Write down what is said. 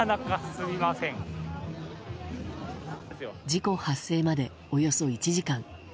事故発生までおよそ１時間。